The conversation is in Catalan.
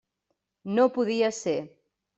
No podia ser.